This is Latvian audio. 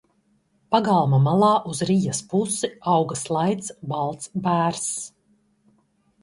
Pagalma malā uz rijas pusi auga slaids, balts bērzs.